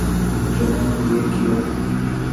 جنہوں نے یہ کیا۔